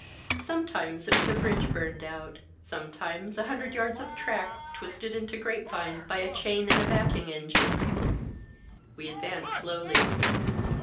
Some times it was a bridge burned out, sometimes a hundred yards of track twisted into grape vines by a chain and a backing engine. We advanced slowly.